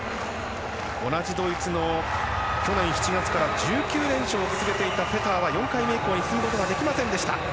同じドイツの去年７月から１９連勝を続けていたフェターは４回目以降に進むことができませんでした。